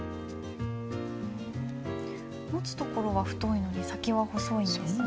持つ所は太いのに先は細いんですね。